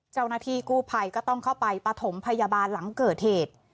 เจ้าหน้าที่กู้ภัยก็ต้องเข้าไปปฐมพยาบาลหลังเกิดเหตุ